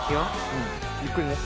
うんゆっくりね